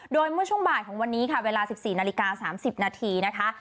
โดยเมื่อช่วงบ่ายของวันนี้ค่ะเวลา๑๔นาฬิกา๓๐นาทีนะคะ